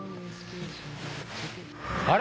あれ？